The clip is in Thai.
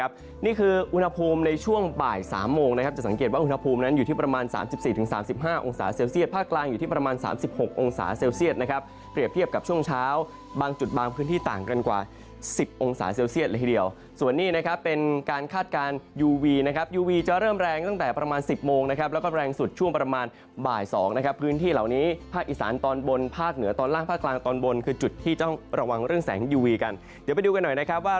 พื้นที่ต่างกันกว่า๑๐องศาเซลเซียสละทีเดียวส่วนนี้นะครับเป็นการคาดการณ์ยูวีนะครับยูวีจะเริ่มแรงตั้งแต่ประมาณ๑๐โมงนะครับแล้วก็แรงสุดช่วงประมาณบ่าย๒นะครับพื้นที่เหล่านี้ภาคอิสานตอนบนภาคเหนือตอนล่างภาคกลางตอนบนคือจุดที่จะต้องระวังเรื่องแสงยูวีกันเดี๋ยวไปดูกันหน่อยนะครับว่